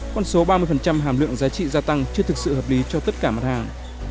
con số ba mươi hàm lượng giá trị gia tăng chưa thực sự hợp lý cho tất cả mặt hàng